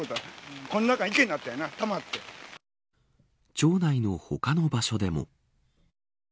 町内の他の場所でも。